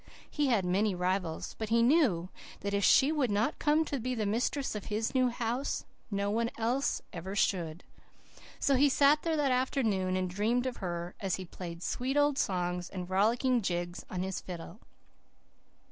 He had many rivals. But he knew that if she would not come to be the mistress of his new house no one else ever should. So he sat there that afternoon and dreamed of her, as he played sweet old songs and rollicking jigs on his fiddle.